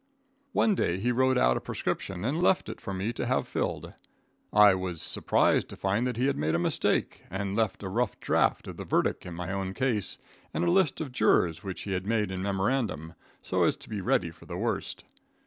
One day he wrote out a prescription and left it for me to have filled. I was surprised to find that he had made a mistake and left a rough draft of the verdict in my own case and a list of jurors which he had made in memorandum, so as to be ready for the worst.